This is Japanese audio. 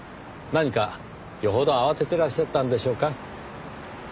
何か余程慌ててらっしゃったんでしょうか。